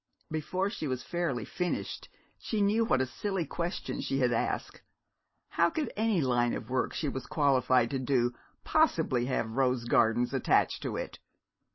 Before she was fairly finished she knew what a silly question she had asked. How could any line of work she was qualified to do possibly have rose gardens attached to it?